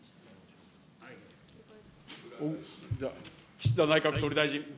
岸田内閣総理大臣。